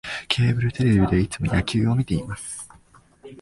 ケーブルテレビでいつも野球を観てます